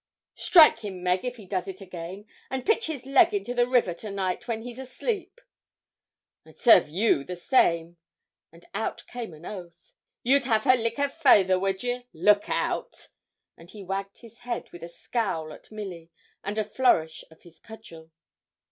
'Strike him, Meg, if he does it again; and pitch his leg into the river to night, when he's asleep.' 'I'd serve you the same;' and out came an oath. 'You'd have her lick her fayther, would ye? Look out!' And he wagged his head with a scowl at Milly, and a flourish of his cudgel.